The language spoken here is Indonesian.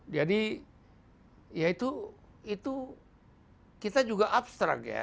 jadi ya itu kita juga abstrak ya